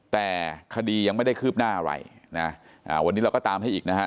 แต่คดียังไม่ได้คืบหน้าอะไรนะวันนี้เราก็ตามให้อีกนะฮะ